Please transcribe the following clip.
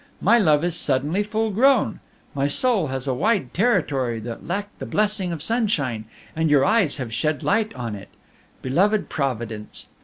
My love is suddenly full grown. My soul was a wide territory that lacked the blessing of sunshine, and your eyes have shed light on it. Beloved providence!